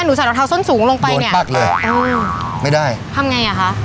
หนูสาดออกเท้าส้นสูงลงไปเนี้ยโดนปั๊กเลยอืมไม่ได้ทำไงอ่ะคะ